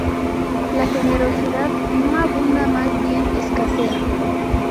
La generosidad no abunda, mas bien escasea